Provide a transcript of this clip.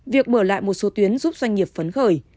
việc mở lại một số tuyến giúp doanh nghiệp phấn khởi